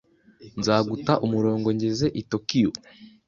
Nzaguta umurongo ngeze i Tokiyo.